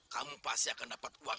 kamu pasti akan dapat uang